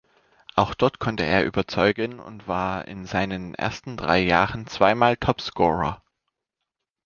Auch dort konnte er überzeugen und war in seinen ersten drei Jahren zweimal Topscorer.